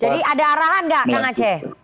jadi ada arahan gak kang aceh